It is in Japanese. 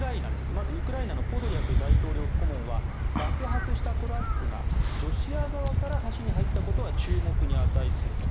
まずウクライナのポドリャク大統領府顧問は爆発したトラックがロシア側から橋に入ったことは注目に値すると。